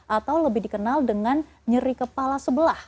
atau lebih dikenal dengan nyeri kepala sebelah